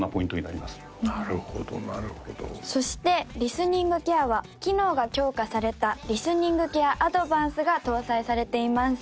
なるほどなるほどそしてリスニングケアは機能が強化されたリスニングケアアドバンスドが搭載されています